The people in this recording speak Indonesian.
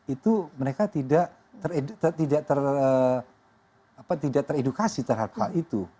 itu mereka tidak teredukasi terhadap hal itu